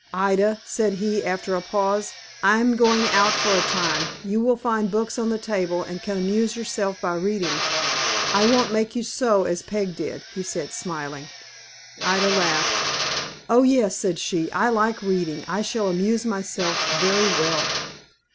"Ida," said he, after a pause, "I am going out for a time. You will find books on the table, and can amuse yourself by reading; I won't make you sew, as Peg did," he said, smiling. Ida laughed. "Oh, yes," said she, "I like reading. I shall amuse myself very well."